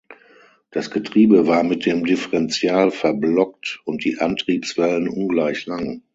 Das Getriebe war mit dem Differential verblockt und die Antriebswellen ungleich lang.